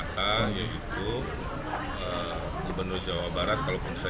saya ini dulu masuk ke belanda